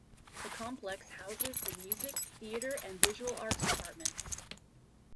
The complex houses the music, theatre, and visual arts departments.